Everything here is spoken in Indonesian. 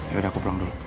yaudah aku pulang dulu